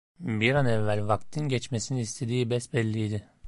Bir an evvel vaktin geçmesini istediği besbelliydi.